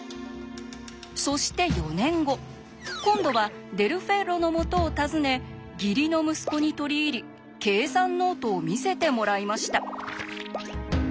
そして４年後今度はデル・フェッロのもとを訪ね義理の息子に取り入り計算ノートを見せてもらいました。